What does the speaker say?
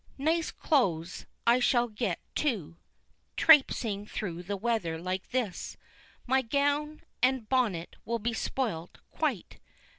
"Nice clothes I shall get too, trapesing through weather like this. My gown and bonnet will be spoilt quite.